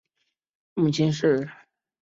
母亲是排湾族原住民。